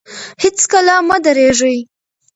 هېڅکله مه درېږئ.